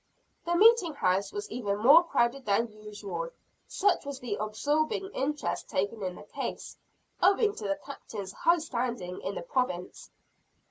The meeting house was even more crowded than usual, such was the absorbing interest taken in the case, owing to the Captain's high standing in the province.